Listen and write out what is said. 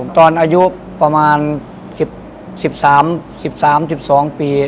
ตอนอายุประมาณ๑๓๑๓๑๒ปี